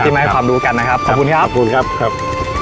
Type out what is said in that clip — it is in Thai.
มาให้ความรู้กันนะครับขอบคุณครับขอบคุณครับครับ